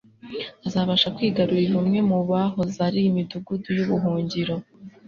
azabasha kwigarurira umwe mu byahoze ari imidugudu yubuhungiro